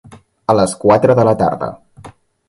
A les quatre de la tarda.